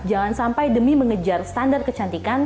jangan sampai demi mengejar standar kecantikan